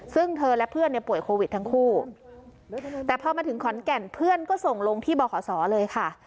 ซึ่งเธอและเพื่อนเนี่ยป่วยโควิดทั้งคู่แต่พอมาถึงขอนแก่นเพื่อนก็ส่งลงที่บขศเลยค่ะ